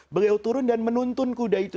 beliau turun dan menuntun kuda itu